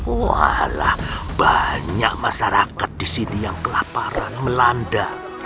walah banyak masyarakat disini yang kelaparan melanda